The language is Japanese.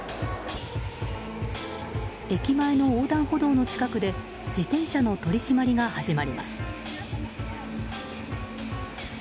駅前の横断歩道の近くで自転車の取り締まりが始まります。